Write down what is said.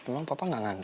mana sih tuh anak